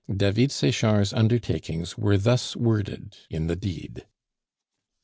David Sechard's undertakings were thus worded in the deed: "M.